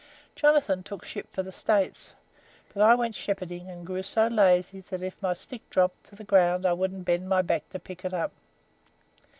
Jonathan took ship for the States, but I went shepherding, and grew so lazy that if my stick dropped to the ground I wouldn't bend my back to pick it up.